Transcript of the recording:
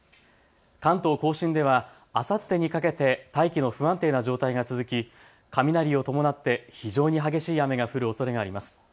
関東甲信ではあさってにかけて大気の不安定な状態が続き雷を伴って非常に激しい雨が降るおそれがあります。